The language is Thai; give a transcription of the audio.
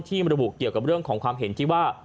ระบุเกี่ยวกับเรื่องของความเห็นที่ว่า